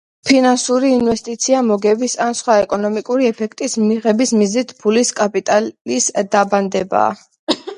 ფინანსური ინვესტიცია, მოგების ან სხვა ეკონომიკური ეფექტის მიღების მიზნით ფულის, კაპიტალის დაბანდებაა